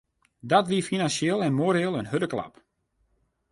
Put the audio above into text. Dat wie finansjeel en moreel in hurde klap.